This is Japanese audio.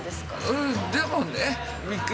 うん、でもね。